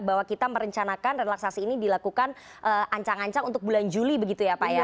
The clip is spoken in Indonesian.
bahwa kita merencanakan relaksasi ini dilakukan ancang ancang untuk bulan juli begitu ya pak ya